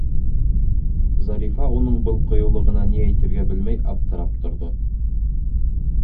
Зарифа уның был ҡыйыулығына ни әйтергә белмәй аптырап торҙо.